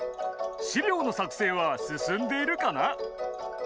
資料の作成は進んでいるカナ？」。